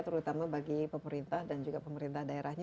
terutama bagi pemerintah dan juga pemerintah daerahnya